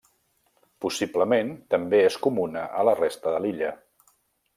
Possiblement també és comuna a la resta de l'illa.